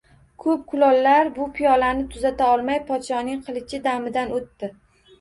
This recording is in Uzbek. Ko‘p kulollar bu piyolani tuzata olmay, podshoning qilichi damidan o‘tdi